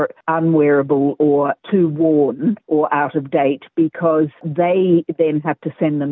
dan itu adalah sekitar enam puluh ton bahan yang diinginkan oleh metode itu